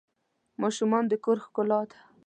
ماشومان د کور ښکلا ده.